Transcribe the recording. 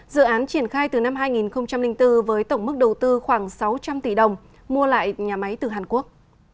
dự án triển khai từ năm hai nghìn bốn với tổng mức đầu tư khoảng sáu trăm linh tỷ đồng mua lại nhà máy từ hàn quốc